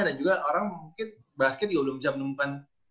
dan juga orang mungkin basket juga belum bisa menemukan